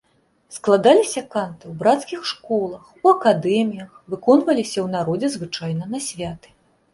Складаліся канты ў брацкіх школах, у акадэміях, выконваліся ў народзе звычайна на святы.